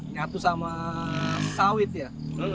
nyatu sama sawit ya